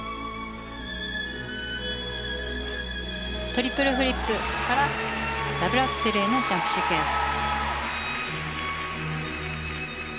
トリプルフリップからダブルアクセルへのジャンプシークエンス。